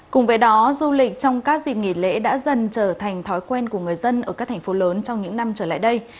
cùng với đó du lịch trong các dịp nghỉ lễ đã dần trở thành thói quen của người dân ở các thành phố lớn trong những năm trở lại đây